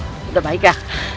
kita baik ya